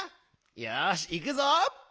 よしいくぞ。